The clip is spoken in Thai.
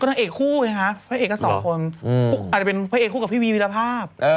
นางเอกคู่ไงคะพระเอกก็สองคนอาจจะเป็นพระเอกคู่กับพี่วีวิรภาพ